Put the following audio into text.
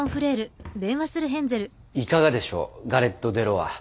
いかがでしょうガレット・デ・ロワ。